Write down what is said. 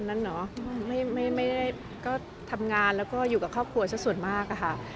นั้นเหรอไม่ได้ก็ทำงานแล้วก็อยู่กับครอบครัวสักส่วนมากอะค่ะ